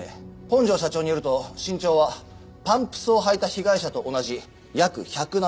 本庄社長によると身長はパンプスを履いた被害者と同じ約１７０センチ。